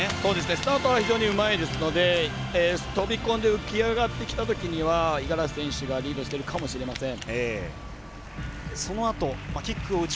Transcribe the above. スタートは非常にうまいですので飛び込んで浮き上がってきたときには五十嵐選手がリードしてるかもしれません。